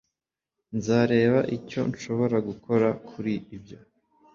Nzareba icyo nshobora gukora kuri ibyo